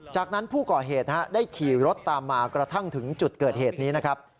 จากนั้นผู้ก่อเหตุได้ขี่รถตามมากระทั่งถึงจุดเกิดเหตุนี้นะครับ